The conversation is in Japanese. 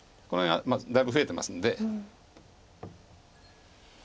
これがだいぶ増えてますんで。